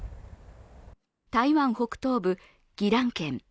台湾北東部・宜蘭県。